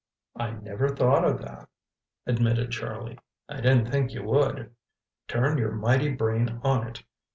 "I never thought of that," admitted Charlie. "I didn't think you would. Turn your mighty brain on it.